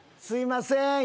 すいません